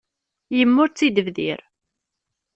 Yemma ur tt-id-tebdir.